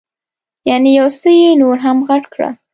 یعنې یو څه یې نور هم غټ کړه.